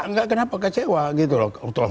enggak kenapa kecewa gitu loh